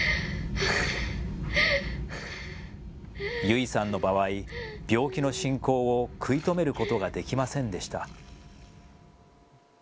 優生さんの場合、病気の進行を食い止めることができませんでした。